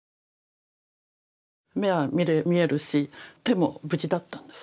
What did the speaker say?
目は見えるし手も無事だったんです。